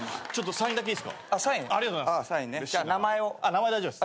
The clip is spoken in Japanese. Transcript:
名前大丈夫っす。